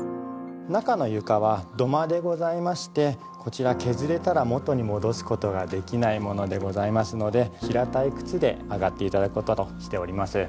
中の床は土間でございましてこちら削れたら元に戻す事ができないものでございますので平たい靴で上がって頂く事としております。